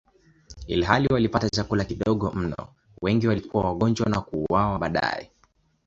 Ilhali walipata chakula kidogo mno, wengi walikuwa wagonjwa na kuuawa baadaye.